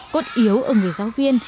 cột yếu ở người giáo viên